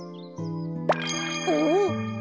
おっ！